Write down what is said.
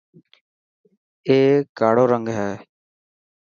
اي ڪاڙو رنگ هي.